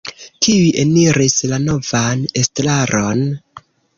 Kiuj eniris la novan estraron?